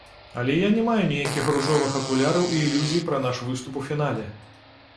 Але я не маю ніякіх ружовых акуляраў і ілюзій пра наш выступ у фінале.